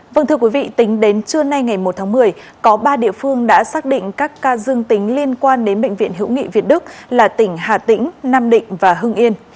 vâng thưa quý vị tính đến trưa nay ngày một tháng một mươi có ba địa phương đã xác định các ca dương tính liên quan đến bệnh viện hữu nghị việt đức là tỉnh hà tĩnh nam định và hưng yên